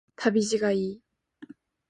旅路がいい